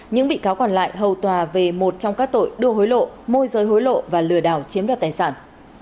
những bị cáo còn lại hầu tòa về một trong các tội đưa hối lộ môi giới hối lộ và lừa đảo chiếm đoạt tài sản